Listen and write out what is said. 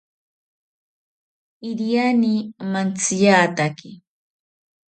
Iriani mantziataki